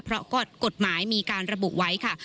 เพราะกฎหมายมีการระบุไว้ค่ะ